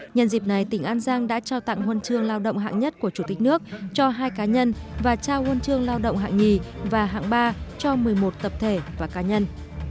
nhân dịp này tỉnh an giang đã trao tặng huân chương lao động hạng nhất của chủ tịch nước cho hai cá nhân và trao huân chương lao động hạng nhì và hạng ba cho một mươi một tập thể và cá nhân